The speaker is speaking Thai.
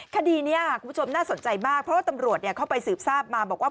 คดีนี้คุณผู้ชมน่าสนใจมากเพราะว่าตำรวจเข้าไปสืบทราบมาบอกว่า